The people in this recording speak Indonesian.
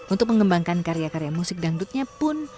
untuk mengembangkan karya karya musik dangdutnya pun